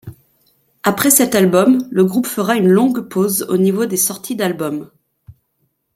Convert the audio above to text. Après cet album, le groupe fera une longue pause au niveau des sorties d'albums.